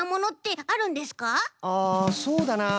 あそうだな